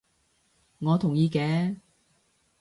我同意嘅